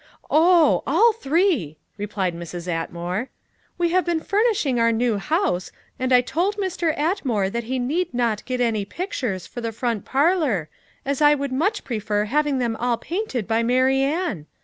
"Oh! all three," replied Mrs. Atmore. "We have been furnishing our new house, and I told Mr. Atmore that he need not get any pictures for the front parlor, as I would much prefer having them all painted by Marianne.